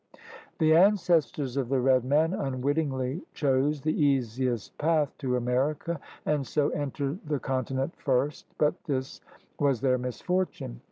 The ancestors of the red man unwittingly chose the easiest path to America and so entered the con tinent first, but this was their misfortune.